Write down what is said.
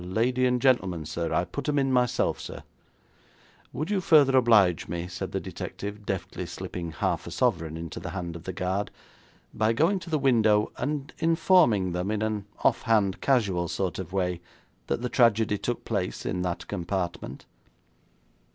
'A lady and gentleman, sir; I put 'em in myself, sir.' 'Would you further oblige me,' said the detective, deftly slipping half a sovereign into the hand of the guard, 'by going to the window and informing them in an offhand casual sort of way that the tragedy took place in that compartment?'